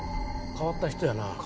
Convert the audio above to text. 変わった人やな。